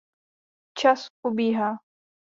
Čas ubíhá.